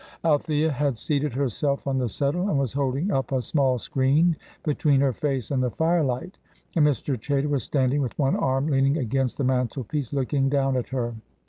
Althea had seated herself on the settle, and was holding up a small screen between her face and the firelight, and Mr. Chaytor was standing with one arm leaning against the mantelpiece looking down at her.